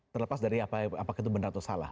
terlepas dari apakah itu benar atau salah